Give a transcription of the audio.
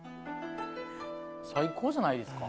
最高じゃないですか。